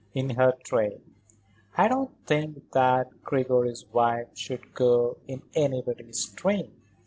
"In her train. I don't think that Gregory's wife should go in anybody's train."